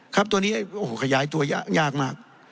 ครับตัวนี้ขยายตัวยากมาก